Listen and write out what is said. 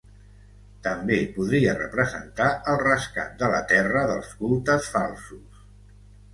També podria representar el rescat de la terra dels cultes falsos.